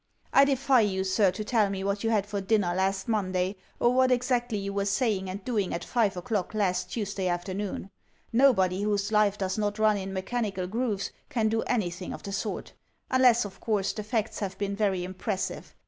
I defy you, sir, to tell me what you had for dinner last Mon day or what exactly you were sajring and doing at five o'clock last Tuesday afternoon. Nobody whose life does not run in mechanical grooves can do an3rthing of the sort; vinless, of course, the facts have been very impressive.